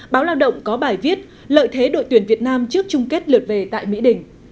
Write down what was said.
báo lao động có bài viết lợi thế đội tuyển việt nam trước chung kết lượt về tại mỹ đình